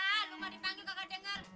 ah lo mah dipanggil kagak denger